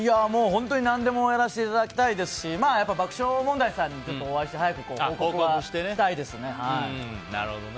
何でもやらせていただきたいですし爆笑問題さんにお会いして早く報告はしたいですね。